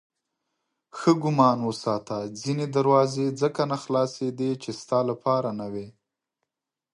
ښه ګمان وساته ځینې دروازې ځکه نه خلاصېدې چې ستا لپاره نه وې.